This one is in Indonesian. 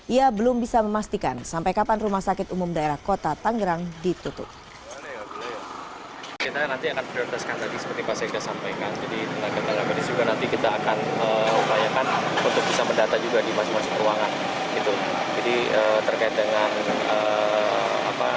ia belum bisa memastikan sampai kapan rumah sakit umum daerah kota tangerang ditutup